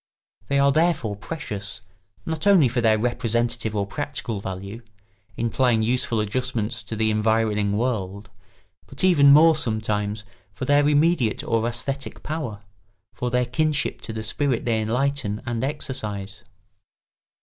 They are therefore precious, not only for their representative or practical value, implying useful adjustments to the environing world, but even more, sometimes, for their immediate or æsthetic power, for their kinship to the spirit they enlighten and exercise.